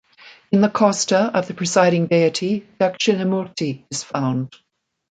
In the kosta of the presiding deity Dakshinamurthy is found.